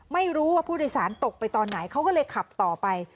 ไม่รู้ว่าผู้โดยสารตกไปตอนไหนเขาก็เลยขับต่อไป